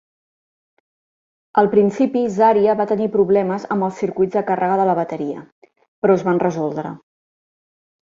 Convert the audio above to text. Al principi Zarya va tenir problemes amb els circuits de càrrega de la bateria, però es van resoldre.